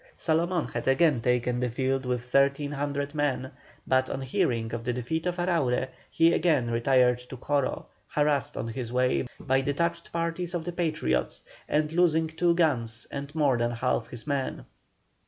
Salomón had again taken the field with 1,300 men, but on hearing of the defeat of Araure, he again retired to Coro, harassed on his way by detached parties of the Patriots, and losing two guns and more than half his men.